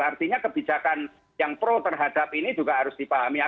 artinya kebijakan yang pro terhadap ini juga harus dipahami